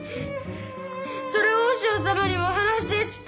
それを和尚様にも話せって。